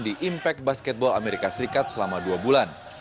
di impact basketball amerika serikat selama dua bulan